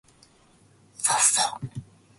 ｆｗｆ ぉ